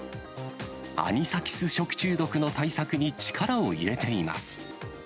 アニサキス食中毒の対策に力を入れています。